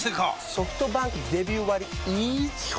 ソフトバンクデビュー割イズ基本